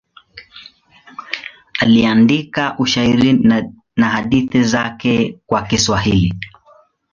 Aliandika ushairi na hadithi zake kwa Kiswahili.